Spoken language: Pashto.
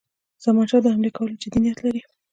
زمانشاه د حملې کولو جدي نیت لري.